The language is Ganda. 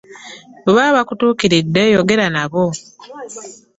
Bwe baba bakutuukiridde yogera nabo.